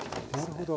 なるほど。